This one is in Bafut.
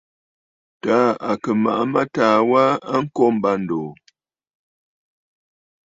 Taà à kɨ̀ màʼa mâtaà wa a kô m̀bândòò.